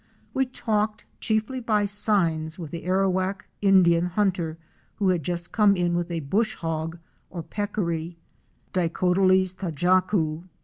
We talked, chiefly by signs, with the Arowak Indian hunter who had just come in with a Bush hog or Peccary (Dicotyles tajacu).